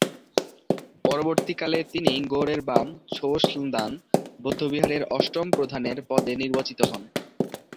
পরবর্তীকালে তিনি ঙ্গোর-এ-বাম-ছোস-ল্দান বৌদ্ধবিহারের অষ্টম প্রধানের পদে নির্বাচিত হন।